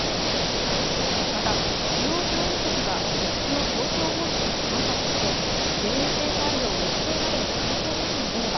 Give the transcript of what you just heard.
また、主要産油国が備蓄の協調放出に反発して原油生産量抑制などの対抗措置に出れば